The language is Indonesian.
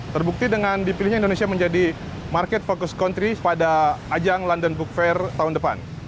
terbukti dengan dipilihnya indonesia menjadi market fokus country pada ajang london book fair tahun depan